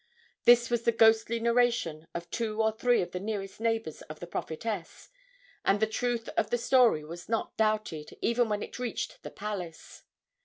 This was the ghostly narration of two or three of the nearest neighbors of the prophetess, and the truth of the story was not doubted, even when it reached the palace.